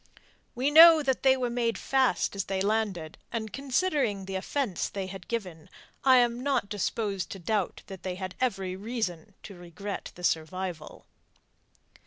We know that they were made fast as they landed, and considering the offence they had given I am not disposed to doubt that they had every reason to regret the survival.